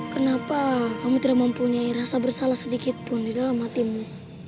kenapa kamu tidak mempunyai rasa bersalah sedikit pun di dalam hatimu